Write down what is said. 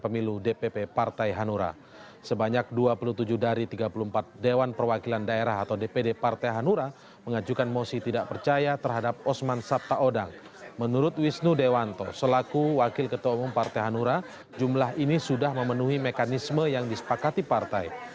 menurut wisnu dewanto selaku wakil ketua umum partai hanura jumlah ini sudah memenuhi mekanisme yang disepakati partai